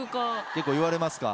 結構言われますか？